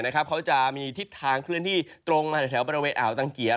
เขาจะมีทิศทางเคลื่อนที่ตรงมาจากแถวบริเวณอ่าวตังเกียร์